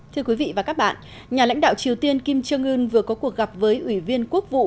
thưa quý vị và các bạn nhà lãnh đạo triều tiên kim trương ưn vừa có cuộc gặp với ủy viên quốc vụ